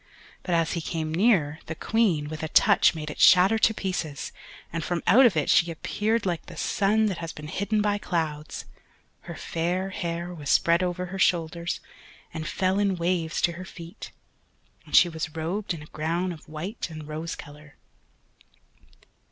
But, as he came near, the Queen, with a touch, made it shatter to pieces, and from out of it she appeared like the sun that has been hidden by clouds; her fair hair was spread over her shoulders, and fell in waves to her feet, and she was robed in a gown of white and rose colour.